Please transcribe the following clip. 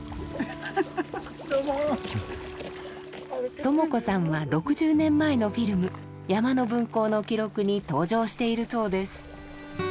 トモ子さんは６０年前のフィルム「山の分校の記録」に登場しているそうです。